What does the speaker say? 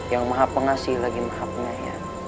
yang maha pengasih lagi maha pengayat